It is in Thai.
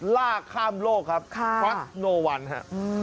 ลากข้ามโลกครับควัดโนวันฮะ